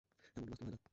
এমনটা বাস্তবে হয় না।